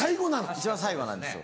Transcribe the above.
一番最後なんですよ